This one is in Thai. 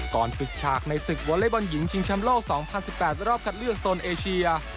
ก่อนฝึกฉากในศึกวอเล็กบอลหญิงชิงชำโลก๒๐๑๘รอบคัดเลือกโซนเอเชีย